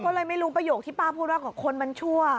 ก็เลยไม่รู้ประโยคที่ป้าพูดว่าคนมันชั่ว